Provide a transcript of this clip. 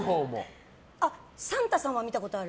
サンタさんは見たことある。